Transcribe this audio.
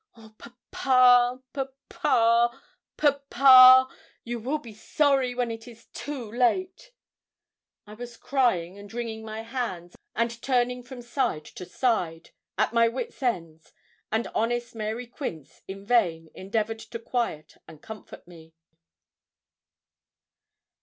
Oh, papa, papa, papa! you will be sorry when it is too late.' I was crying and wringing my hands, and turning from side to side, at my wits' ends, and honest Mary Quince in vain endevoured to quiet and comfort me.